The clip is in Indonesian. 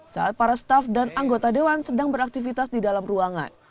saat para staf dan anggota dewan sedang beraktivitas di dalam ruangan